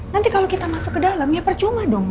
nanti kalau kita masuk ke dalam ya percuma dong